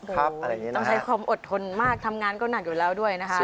ต้องใช้ความอดทนมากทำงานก็หนักอยู่แล้วด้วยนะคะ